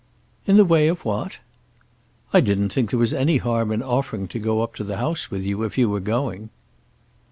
"In the way of what?" "I didn't think there was any harm in offering to go up to the house with you if you were going."